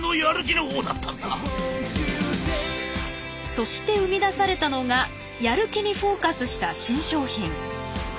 そして生み出されたのがやる気にフォーカスした新商品。